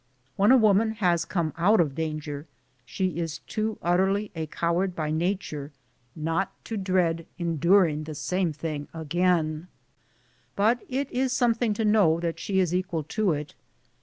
When a woman has come out of danger, she is too utterly a coward by nature not to dread enduring the same thing again ; but it is something to know that she is equal to it.